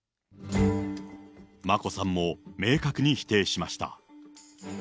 眞子さんも明確に否定しました。